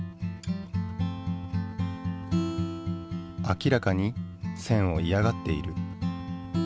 明らかに線をいやがっている。